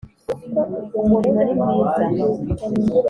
Umurimo ni mwiza